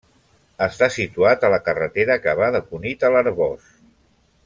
Està situat a la carretera que va de Cunit a l'Arboç.